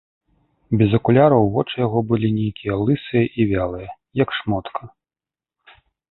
Без акуляраў вочы яго былі нейкія лысыя і вялыя, як шмотка.